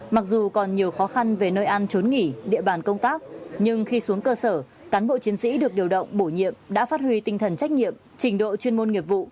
mặc dù còn nhiều khó khăn về nơi ăn trốn nghỉ địa bàn công tác nhưng khi xuống cơ sở cán bộ chiến sĩ được điều động bổ nhiệm đã phát huy tinh thần trách nhiệm trình độ chuyên môn nghiệp vụ